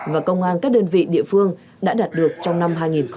và công an các đơn vị địa phương đã đạt được trong năm hai nghìn hai mươi ba